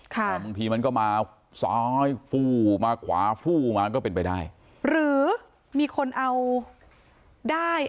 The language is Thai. แต่บางทีมันก็มาซ้ายฟู้มาขวาฟู้มาก็เป็นไปได้หรือมีคนเอาได้